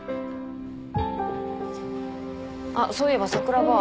あっそういえば桜庭。